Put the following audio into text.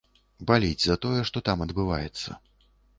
Баліць за тое, што там адбываецца.